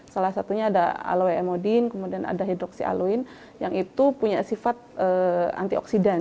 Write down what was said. salah satunya ada aloeemodin kemudian ada hidroksi aloin yang itu punya sifat antioksidan